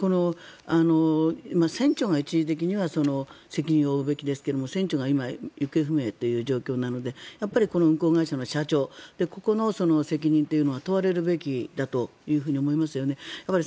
船長が一義的には責任を負うべきですけど船長が今、行方不明という状況なのでやっぱりこの運航会社の社長ここの責任というのは問われるべきだと思いますよね。